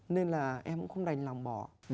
nên là em cũng không đành lòng bỏ